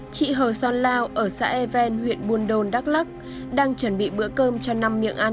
chị hờ son lao ở xã e ven huyện buôn đôn đắk lắc đang chuẩn bị bữa cơm cho năm miệng ăn